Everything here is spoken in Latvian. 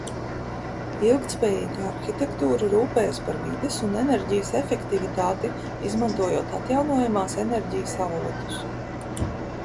Ilgtspējīga arhitektūra rūpējas par vides un enerģijas efektivitāti, izmantojot atjaunojamās enerģijas avotus.